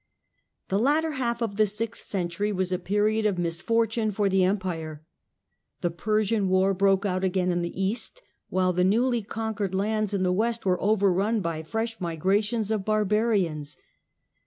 'The latter half of the sixth century was a period of Justin u., misfortune for the Empire. The Persian war broke 5600 ' 8 out again in the east, while the newly conquered lands in the west were overrun by fresh migrations of bar barians.